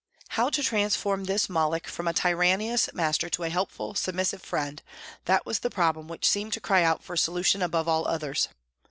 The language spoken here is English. How to transform this Moloch from a tyrannous master to a helpful, submissive friend, that was the problem which seemed to cry out for solution above all others.